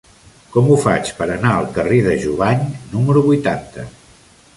Com ho faig per anar al carrer de Jubany número vuitanta?